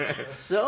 そう？